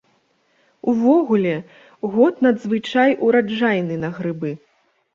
Увогуле, год надзвычай ураджайны на грыбы.